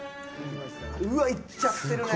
うわっいっちゃってるね。